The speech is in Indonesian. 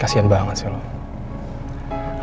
kasian banget sih lo